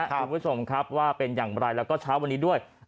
คุณผู้ชมครับว่าเป็นอย่างไรแล้วก็เช้าวันนี้ด้วย